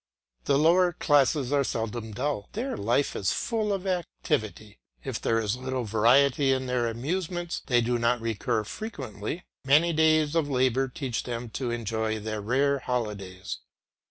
The lower classes are seldom dull, their life is full of activity; if there is little variety in their amusements they do not recur frequently; many days of labour teach them to enjoy their rare holidays.